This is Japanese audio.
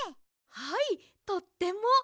はいとっても。